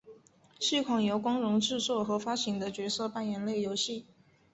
是一款由光荣制作和发行的角色扮演类游戏。